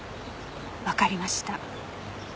わかりました。